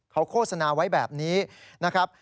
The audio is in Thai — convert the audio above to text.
เขาโฆษณาไว้แบบนี้นะครับ